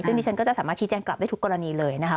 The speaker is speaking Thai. ซึ่งดิฉันก็จะสามารถชี้แจงกลับได้ทุกกรณีเลยนะคะ